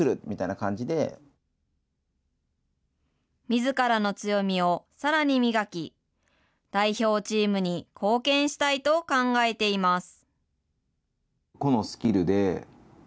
みずからの強みをさらに磨き、代表チームに貢献したいと考えています。